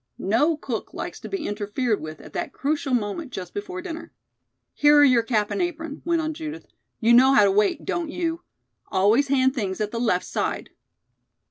No cook likes to be interfered with at that crucial moment just before dinner. "Here are your cap and apron," went on Judith. "You know how to wait, don't you? Always hand things at the left side."